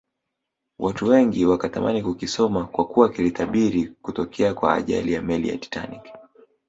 watu wengi wakatamani kukisoma kwakuwa kilitabiri kutokea kwa ajali ya meli ya Titanic